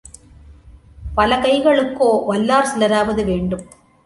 பல கைகளுக்கோ, வல்லார் சிலராவது வேண்டும்.